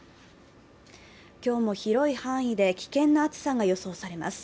今日も広い範囲で危険な暑さが予想されます。